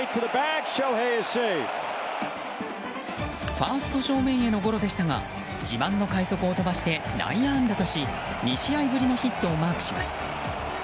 ファースト正面へのゴロでしたが自慢の快足を飛ばして内野安打とし２試合ぶりのヒットをマークします。